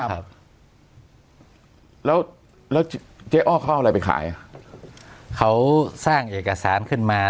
ครับแล้วแล้วเจ๊อ้อเขาเอาอะไรไปขายอ่ะเขาสร้างเอกสารขึ้นมา